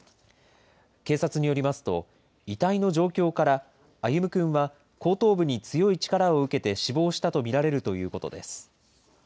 警察によりますと、遺体の状況から、歩夢くんは後頭部に強い力を受けて死亡したと見られるということです。